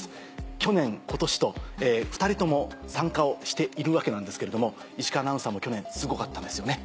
去年今年と２人とも参加をしているわけなんですけれども石川アナウンサーも去年すごかったんですよね。